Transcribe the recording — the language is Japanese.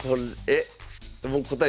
え